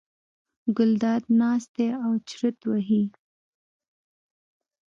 ګلداد ناست دی او چورت وهي.